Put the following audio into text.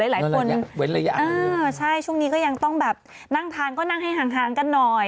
หลายคนเว้นระยะเออใช่ช่วงนี้ก็ยังต้องแบบนั่งทานก็นั่งให้ห่างกันหน่อย